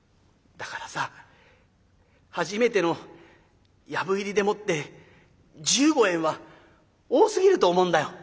「だからさ初めての藪入りでもって１５円は多すぎると思うんだよ」。